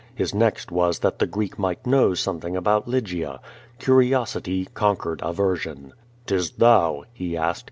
His next wns that the Greek might know something about Lygia. Curiosity conquered aversion "Tis'thou?" he asked.